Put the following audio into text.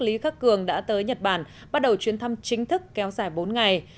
lý khắc cường đã tới nhật bản bắt đầu chuyến thăm chính thức kéo dài bốn ngày